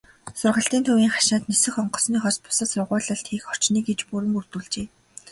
Сургалтын төвийн хашаанд нисэх онгоцныхоос бусад сургуулилалт хийх орчныг иж бүрэн бүрдүүлжээ.